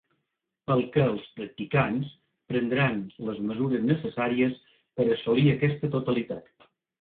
Pel que els practicants prendran les mesures necessàries per a assolir aquesta totalitat.